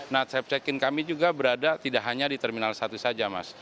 nah chef check in kami juga berada tidak hanya di terminal satu saja mas